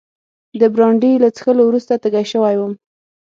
د برانډي له څښلو وروسته تږی شوی وم.